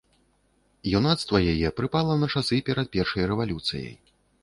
Юнацтва яе прыпала на часы перад першай рэвалюцыяй.